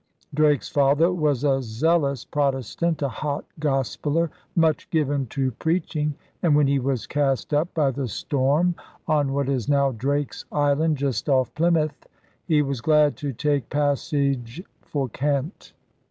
Drake's father was a zealous Protestant, a *hot gospeller,' much given to preaching; and when he was cast up by the storm on what is now Drake's Island, just off Plymouth, he was glad to take passage for Kent.